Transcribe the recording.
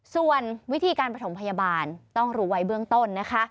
ส่วนวิธีการประถมพยาบาลต้องรู้ไว้เบื้องต้นนะคะ